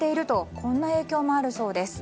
こんな影響もあるそうです。